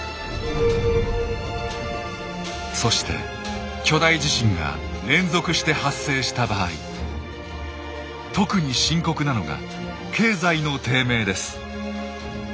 そして巨大地震が連続して発生した場合特に深刻なのが経済の低迷です。